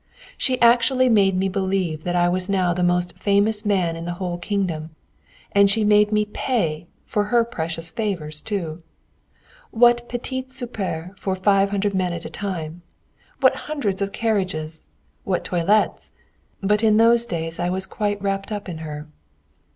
She actually made me believe that I was now the most famous man in the whole kingdom! And she made me pay for her precious favours, too! What petits soupers for five hundred men at a time! What hundreds of carriages! What toilets!... But in those days I was quite wrapped up in her.